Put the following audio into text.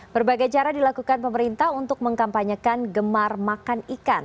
berbagai cara dilakukan pemerintah untuk mengkampanyekan gemar makan ikan